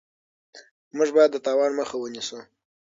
موږ باید د تاوان مخه ونیسو.